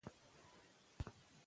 پښتو ژبه زموږ د نیکونو میراث دی.